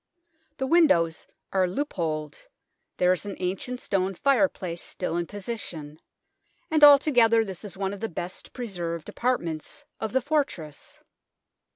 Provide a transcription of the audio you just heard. The windows are loopholed, there is an ancient stone fireplace still in position, and altogether this is one of the best preserved apartments of the fortress.